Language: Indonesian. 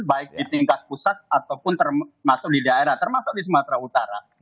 baik di tingkat pusat ataupun termasuk di daerah termasuk di sumatera utara